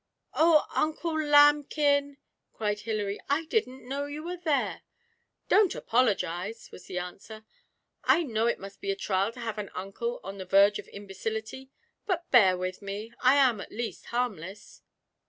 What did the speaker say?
'Oh, Uncle Lambkin!' cried Hilary, 'I didn't know you were there!' 'Don't apologise,' was the answer. 'I know it must be a trial to have an uncle on the verge of imbecility but bear with me. I am at least harmless.'